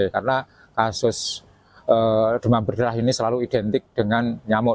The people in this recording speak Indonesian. karena kasus demam berdarah ini selalu identik dengan nyamuk